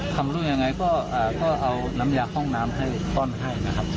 ทำลูกยังไงก็เอาน้ำยาห้องน้ำให้ป้อนให้นะครับ